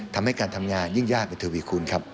ทำให้การทำงานยิ่งยากกว่าทวีคูณครับ